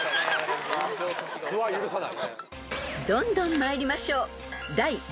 ［どんどん参りましょう］